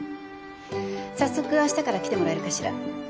早速あしたから来てもらえるかしら？